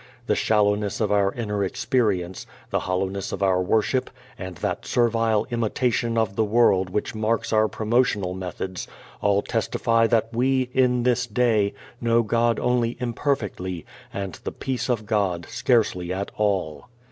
The shallowness of our inner experience, the hollowness of our worship, and that servile imitation of the world which marks our promotional methods all testify that we, in this day, know God only imperfectly, and the peace of God scarcely at all.